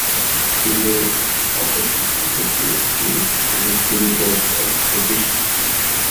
কিন্তু এই অপসিদ্ধান্তটি একটি মিথ্যা যুক্তির উপর প্রতিষ্ঠিত।